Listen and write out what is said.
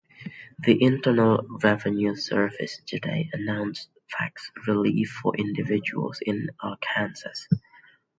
The Internal Revenue Service today announced tax relief for individuals in Arkansas.